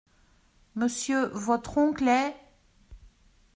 Monsieur votre oncle est ?…